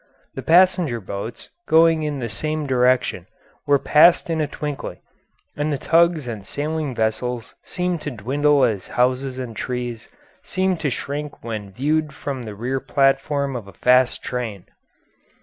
The passenger boats going in the same direction were passed in a twinkling, and the tugs and sailing vessels seemed to dwindle as houses and trees seem to shrink when viewed from the rear platform of a fast train.